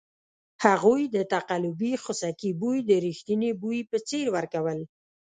هغوی د تقلبي خوسکي بوی د ریښتني بوی په څېر ورکول.